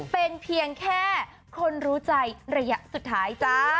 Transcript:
เป็นเพียงแค่คนรู้ใจระยะสุดท้ายจ้า